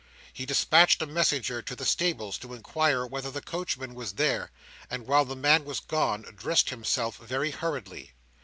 He dispatched a messenger to the stables to inquire whether the coachman was there; and while the man was gone, dressed himself very hurriedly.